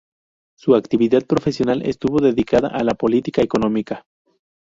Su actividad profesional estuvo dedicada a la política económica.